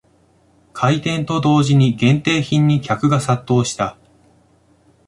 開店と同時に限定品に客が殺到した